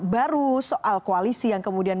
baru soal koalisi yang kemudian